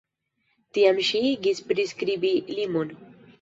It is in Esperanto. Tiam ŝi igis priskribi limon.